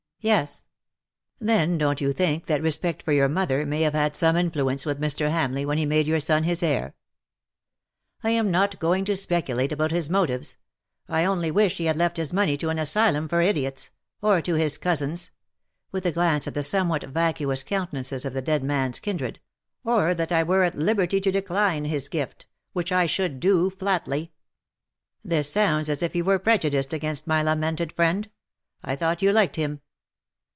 '' Yes.'' '^Then don't you think that respect for your mother may have had some influence with Mr. Hamleigh when he made your son his heir ?''^ I am not going to speculate about his motives. I only wish he had left his money to an asylum for idiots — or to his cousins'' — with a glance at the somewhat vacuous countenances of the dead man^s kindred, " or that I were at liberty to decline his gift — which I should do, flatly.'^ " This sounds as if you were prejudiced against my lamented friend. I thought you liked him."